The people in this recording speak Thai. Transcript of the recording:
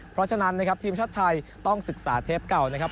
เพราะฉะนั้นนะครับทีมชาติไทยต้องศึกษาเทปเก่านะครับ